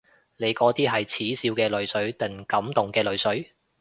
你嗰啲係恥笑嘅淚水定感動嘅淚水？